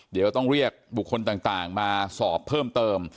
เดี๋ยวต้องเรียกบุคคลต่างมาสอบเพิ่มเติม